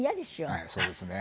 はいそうですね。